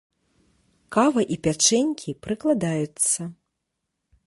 Кава і пячэнькі прыкладаюцца.